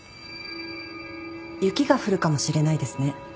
雪が降るかもしれないですね。